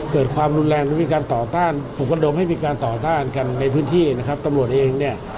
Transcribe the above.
เกิดความรุนแรงหรือมีการต่อต้านปลุกระดมให้มีการต่อต้านกันในพื้นที่นะครับตำรวจเองเนี่ย